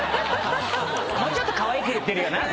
もうちょっとかわいく言ってるよな。